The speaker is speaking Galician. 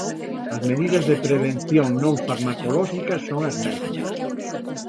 As medidas de prevención non farmacolóxicas son as mesmas.